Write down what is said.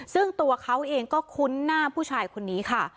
ซึ่งตัวเขาเองก็คุ้นหน้าผู้ชายคนนี้ค่ะ